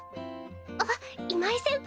あっ今井先輩